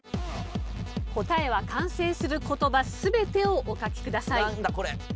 答えは完成する言葉全てをお書きください。